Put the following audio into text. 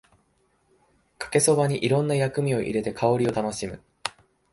かけそばにいろんな薬味を入れて香りを楽しむ